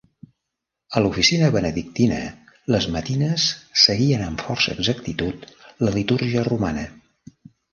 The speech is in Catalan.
A l'oficina benedictina, les matines seguien amb força exactitud la litúrgia romana.